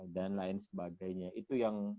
dan lain sebagainya itu yang